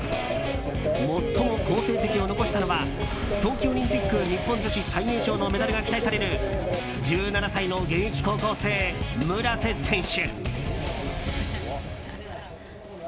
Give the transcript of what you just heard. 最も好成績を残したのは冬季オリンピック日本女子最年少のメダルが期待される１７歳の現役高校生、村瀬選手。